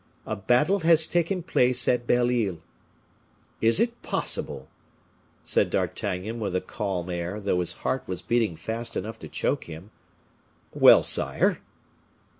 A battle has taken place at Belle Isle." "Is it possible?" said D'Artagnan, with a calm air, though his heart was beating fast enough to choke him. "Well, sire?"